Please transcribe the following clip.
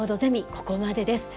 ここまでです。